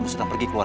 oh tunggu dulu